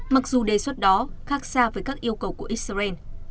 mặc dù đề xuất đó khác xa với các yêu cầu của israel